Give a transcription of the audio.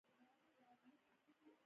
هغه خپل موټر چلوي